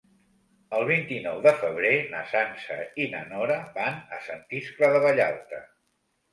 El vint-i-nou de febrer na Sança i na Nora van a Sant Iscle de Vallalta.